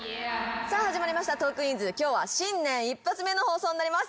始まりました『トークィーンズ』今日は新年一発目の放送になります。